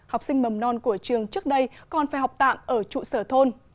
học sinh mầm non của trường trước đây còn phải học tạm ở trụ sở thôn